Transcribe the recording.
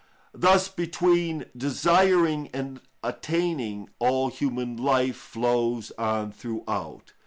Thus between desiring and attaining all human life flows on throughout.